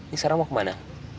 ini sekarang mau ke mana